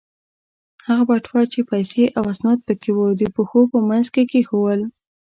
خپله بټوه چې پیسې او اسناد پکې و، د پښو په منځ کې کېښوول.